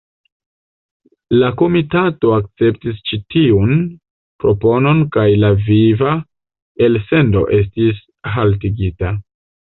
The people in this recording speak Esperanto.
La komitato akceptis ĉi tiun proponon kaj la viva elsendo estis haltigita.